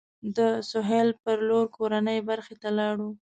د سهیل پر لور کورنۍ برخې ته لاړو.